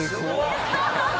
アハハハ。